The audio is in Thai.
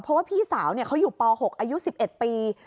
เพราะว่าพี่สาวเขาอยู่ป๖อายุ๑๑ปี